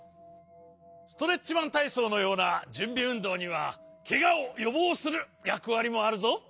ストレッチマンたいそうのようなじゅんびうんどうにはケガをよぼうするやくわりもあるぞ。